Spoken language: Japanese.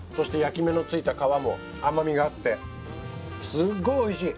すっごいおいしい！